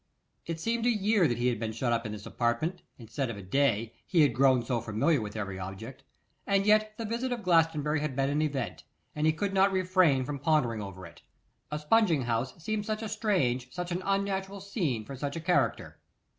It seemed a year that he had been shut up in this apartment, instead of a day, he had grown so familiar with every object. And yet the visit of Glastonbury had been an event, and he could not refrain from pondering over it. A spunging house seemed such a strange, such an unnatural scene, for such a character.